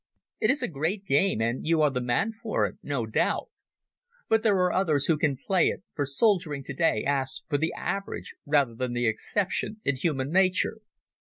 "It is a great game, and you are the man for it, no doubt. But there are others who can play it, for soldiering today asks for the average rather than the exception in human nature.